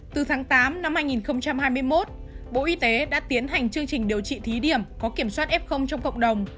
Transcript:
từ tháng tám năm hai nghìn hai mươi một bộ y tế đã tiến hành chương trình điều trị thí điểm có kiểm soát f trong cộng đồng